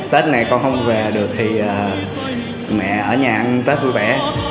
tết này con không về được thì mẹ ở nhà ăn tết vui vẻ